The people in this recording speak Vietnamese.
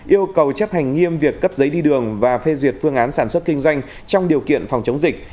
yêu cầu chấp hành nghiêm việc cấp giấy đi đường và phê duyệt phương án sản xuất kinh doanh trong điều kiện phòng chống dịch